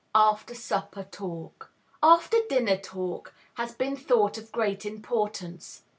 After Supper Talk. "After dinner talk" has been thought of great importance.